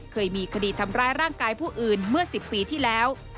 เคยมีคดีทำร้ายร่างกายผู้อื่นเมื่อ๑๐ปีที่แล้ว